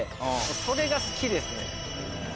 それが好きですね。